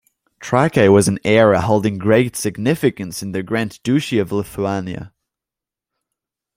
Trakai was an area holding great significance in the Grand Duchy of Lithuania.